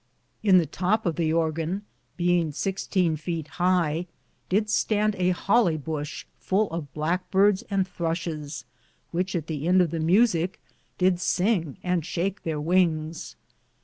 In the tope of the orgon, being 16 foute hie, did stande a holly bushe full of blacke birds and thrushis, which at the end of the musick did singe and shake theire wynges.